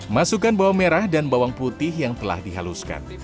masukkan bawang merah dan bawang putih yang telah dihaluskan